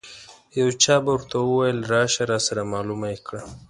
یو چا به ورته ویل راشه راسره معلومه یې کړه.